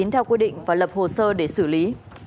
theo quy định và lập hồ sơ để xử lý